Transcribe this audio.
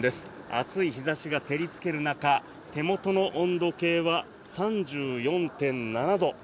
暑い日差しが照りつける中手元の温度計は３４．７度。